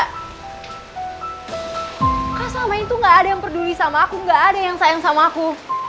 karena selama itu gak ada yang peduli sama aku gak ada yang sayang sama aku